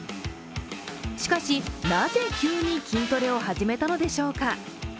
しかし、なぜ急に筋トレを始めたのでしょうか。